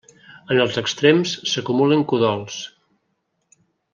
En els extrems s'acumulen cudols.